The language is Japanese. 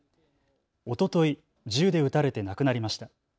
おととい銃で撃たれて亡くなりました。